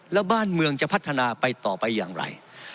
แล้วบ้านเมืองจะพัฒนาไปต่อไปอย่างไร